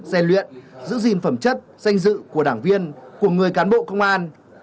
rèn luyện giữ gìn phẩm chất danh dự của đảng viên của người cán bộ công an